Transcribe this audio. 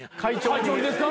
会長にですか？